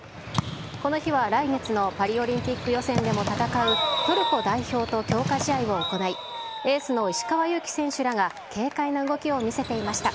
この日は来月のパリオリンピック予選でも戦うトルコ代表と強化試合を行い、エースの石川祐希選手らが軽快な動きを見せていました。